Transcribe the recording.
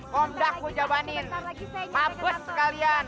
komda ku jawanin mabut sekalian